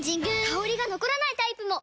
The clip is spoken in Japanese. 香りが残らないタイプも！